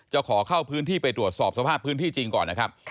ขอเข้าพื้นที่ไปตรวจสอบสภาพพื้นที่จริงก่อนนะครับ